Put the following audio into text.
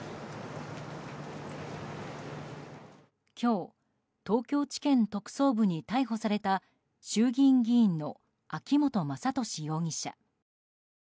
今日、東京地検特捜部に逮捕された衆議院議員の秋本真利容疑者。